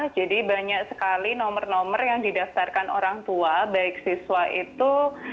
jadi banyak sekali nomor nomor yang didaftarkan orang tua baik siswa itu